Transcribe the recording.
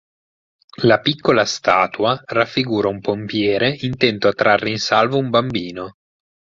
La piccola statua raffigura un pompiere intento a trarre in salvo un bambino.